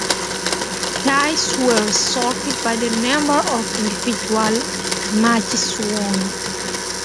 Ties were resolved by the number of individual matches won.